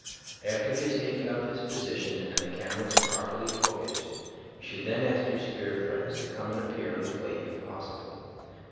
After he has taken up his position, and the camera is properly foeussed, you should then ask your spirit friejids to come and appear on the plate, if possible.